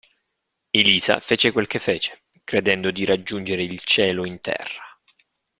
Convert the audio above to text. Elisa fece quel che fece, credendo di raggiungere il cielo in terra.